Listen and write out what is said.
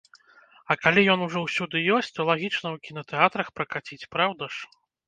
А калі ён ужо ўсюды ёсць, то лагічна і ў кінатэатрах пракаціць, праўда ж?